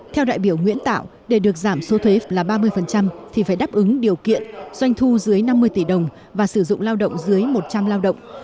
theo đại biểu nguyễn tạo để được giảm số thuế là ba mươi thì phải đáp ứng điều kiện doanh thu dưới năm mươi tỷ đồng và sử dụng lao động dưới một trăm linh lao động